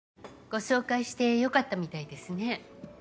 ご紹介してよかったみたいですね。